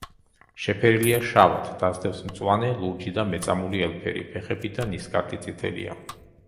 შეფერილია შავად, დასდევს მწვანე, ლურჯი და მეწამული ელფერი; ფეხები და ნისკარტი წითელია.